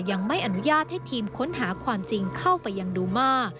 ยังไม่อนุญาตให้ทีมค้นหาความจริงเข้าไปยังดูมา